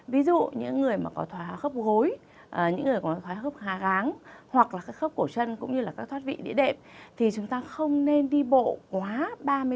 ví dụ những người có thỏa khớp gối những người có thỏa khớp hà ráng hoặc là các khớp cổ chân cũng như là các thoát vị địa đệm thì chúng ta không nên đi bộ quá ba mươi phút liên tục